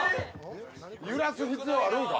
揺らす必要あるんか？